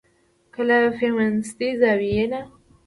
که له فيمنستي زاويې نه